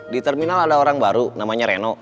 di terminal ada orang baru namanya reno